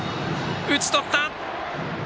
打ち取った！